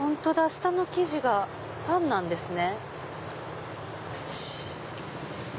下の生地がパンなんですね。